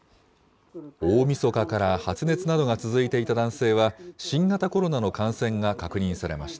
大みそかから発熱などが続いていた男性は、新型コロナの感染が確認されました。